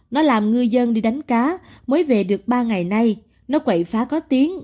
nó làm ngư dân đi đánh cá mới về được ba ngày nay nó quậy phá có tiếng